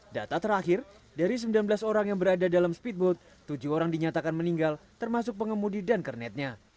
data terakhir dari sembilan belas orang yang berada dalam speedboat tujuh orang dinyatakan meninggal termasuk pengemudi dan kernetnya